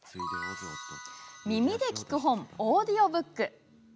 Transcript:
耳で聞く本、オーディオブック。